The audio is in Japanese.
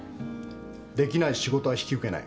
できない仕事は引き受けない。